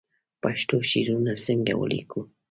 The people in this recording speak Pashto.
پښتو شعرونه څنګه ولیکو